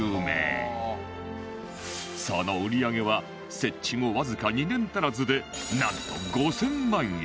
その売り上げは設置後わずか２年足らずでなんと５０００万円